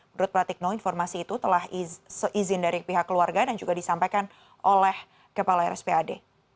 menurut pratikno informasi itu telah seizin dari pihak keluarga dan juga disampaikan oleh kepala rspad